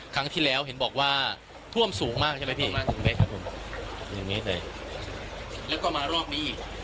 ครั้งที่แล้วเห็นบอกว่าท่วมสูงมากใช่ไหมพี่ครับผมอย่างนี้เลยแล้วก็มารอบนี้อีก